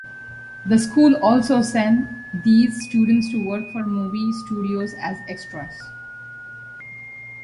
The school also sent these students to work for movie studios as extras.